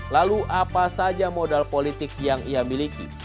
lalu apa saja modal politik yang ia miliki